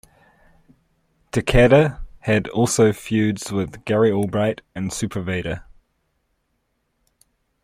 Takada had also feuds with Gary Albright and Super Vader.